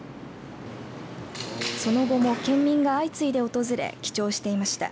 その後も県民が相次いで訪れ記帳していました。